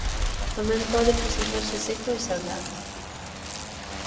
Tamén pode presentarse seco e salgado.